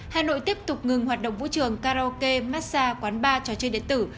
hà nội tiếp tục ngừng hoạt động vũ trường karaoke massage quán bar trò chơi điện tử